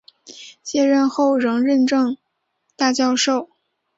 卸任后仍任政大教授。